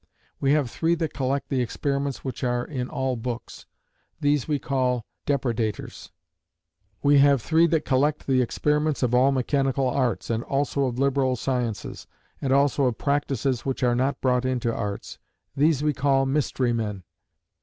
"We have three that collect the experiments which are in all books. These we call Depredators. "We have three that collect the experiments of all mechanical arts; and also of liberal sciences; and also of practices which are not brought into arts. These we call Mystery men.